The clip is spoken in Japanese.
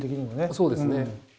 そうですね。